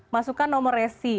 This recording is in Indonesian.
masukkan nomor resi ya pak ya